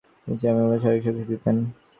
তিনি এমনকি শারীরিকভাবেও শাস্তি দিতেন।